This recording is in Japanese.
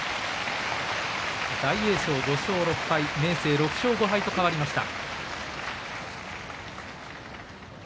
大栄翔、５勝６敗明生、６勝５敗と変わりました。